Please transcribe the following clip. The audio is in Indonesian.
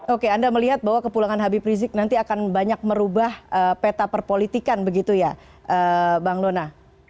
oke anda melihat bahwa kepulangan habib rizik nanti akan banyak merubah peta perpolitikan begitu ya bang dona